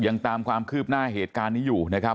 ยังตามความคืบหน้าเหตุการณ์นี้อยู่นะครับ